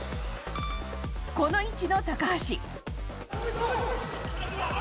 この位置の高橋。